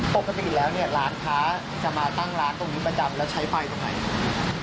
ปกติแล้วเนี่ยร้านค้าจะมาตั้งร้านตรงนี้ประจำแล้วใช้ไฟตรงไหน